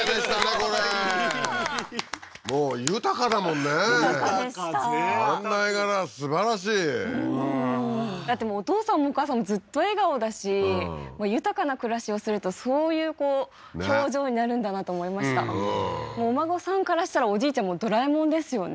これもう豊かだもんね豊かでしたあんな絵柄すばらしいうんだってお父さんもお母さんもずっと笑顔だし豊かな暮らしをするとそういう表情になるんだなと思いましたお孫さんからしたらおじいちゃんドラえもんですよね